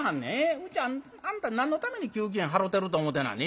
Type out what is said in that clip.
うちはあんた何のために給金払てると思てなはんねん。